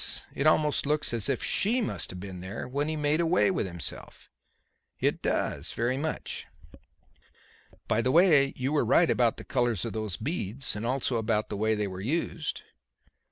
It almost looks as if she must have been there when he made away with himself." "It does, very much." "By the way, you were right about the colours of those beads, and also about the way they were used."